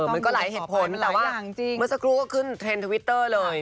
มันก็หลายเหตุผลแต่ว่าเมื่อสักครู่ก็ขึ้นเทรนด์ทวิตเตอร์เลย